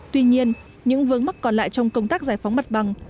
tuy nhiên những vướng mắc còn lại trong công tác giải phóng mặt bằng